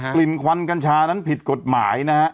กลิ่นควันกัญชานั้นผิดกฎหมายนะครับ